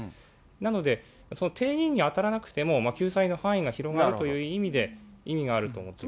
なので、定義に当たらなくても、救済の範囲が広がるという意味で、意義があると思います。